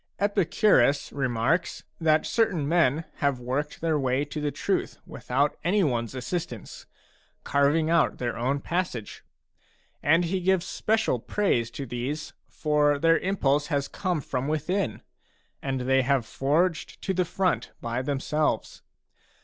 Epicurus a remarks that certain men have worked their way to the truth without any one's assistance, carving out their own passage. And he gives special praise to these, for their impulse has come from within, and they have forged to the front by them selves.